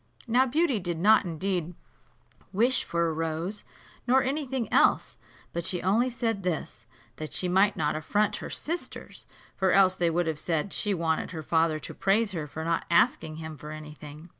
Now Beauty did not indeed wish for a rose, nor any thing else, but she only said this, that she might not affront her sisters, for else they would have said she wanted her father to praise her for not asking him for any thing.